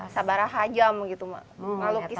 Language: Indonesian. tidak saya tidak bisa